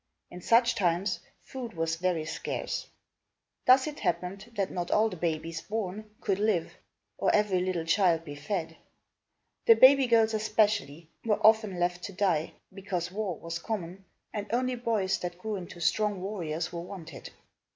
In such times, food was very scarce. Thus it happened that not all the babies born could live, or every little child be fed. The baby girls especially were often left to die, because war was common and only boys, that grew into strong warriors, were wanted.